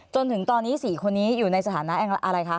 จนถึงตอนนี้๔คนนี้อยู่ในสถานะอะไรคะ